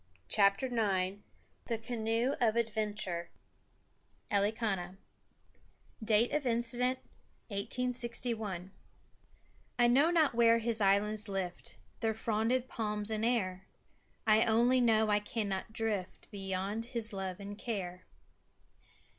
] CHAPTER IX THE CANOE OF ADVENTURE Elikana (Date of Incident, 1861) "I know not where His islands lift Their fronded palms in air; I only know I cannot drift Beyond His love and care."